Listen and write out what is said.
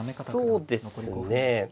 そうですね